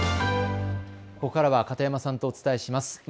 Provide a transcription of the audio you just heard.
ここからは片山さんとお伝えします。